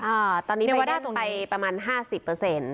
อ่าตอนนี้ในว่าได้ตรงนี้ไปประมาณห้าสิบเปอร์เซ็นต์